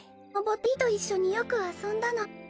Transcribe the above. ピィと一緒によく遊んだの。